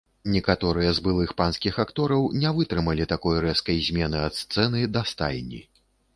Некаторыя з былых панскіх актораў не вытрымалі такой рэзкай змены ад сцэны да стайні.